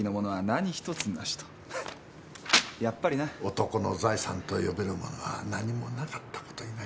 男の財産と呼べるものは何もなかったことになりますな。